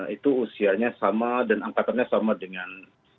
itu usianya sama dan angkatannya sama dengan